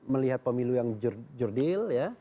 melihat pemilu yang jurdil